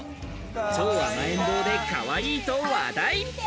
超甘えん坊でかわいいと話題。